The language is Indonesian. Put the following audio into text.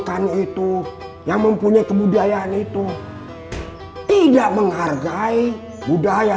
menghargai budaya itu dan kaya mempunyai kebudayaan itu tidak menghargai budaya